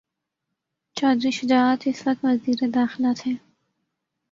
چوہدری شجاعت اس وقت وزیر داخلہ تھے۔